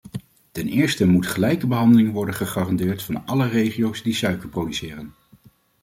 Ten eerste moet gelijke behandeling worden gegarandeerd van alle regio’s die suiker produceren.